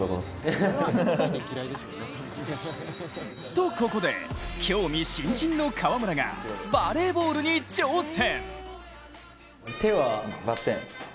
とここで、興味津々の河村がバレーボールに挑戦。